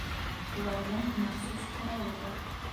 Уларҙың махсус ҡоралы бар.